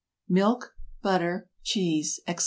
MILK, BUTTER, CHEESE, ETC.